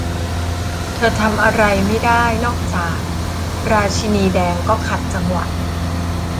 เธอทำอะไรไม่ได้นอกจาก 'ราชินีแดงก็ขัดจังหวะ